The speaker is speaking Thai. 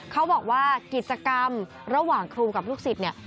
เขาบอกว่ากิจกรรมระหว่างครูกับลูกศิษย์เนี่ย